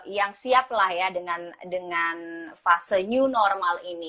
yang siap lah ya dengan fase new normal ini